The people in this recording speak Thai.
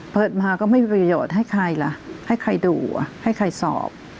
เปิดมาก็ไม่มีประโยชน์ให้ใครล่ะให้ใครดูอ่ะให้ใครสอบ